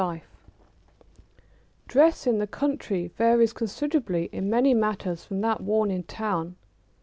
] Dress in the country varies considerably in many matters from that worn in town.